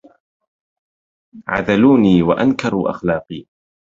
عذلوني وأنكروا أخلاقي